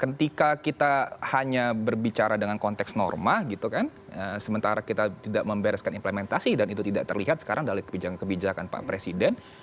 jadi jika kita hanya berbicara dengan konteks norma gitu kan sementara kita tidak membereskan implementasi dan itu tidak terlihat sekarang dari kebijakan kebijakan pak presiden